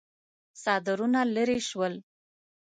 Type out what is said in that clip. څادرونه ليرې شول.